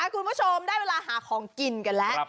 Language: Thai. คุณผู้ชมได้เวลาหาของกินกันแล้ว